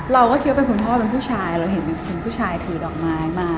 เราก็คิดว่าเป็นคุณพ่อเป็นผู้ชายเราเห็นคุณผู้ชายถือดอกไม้มา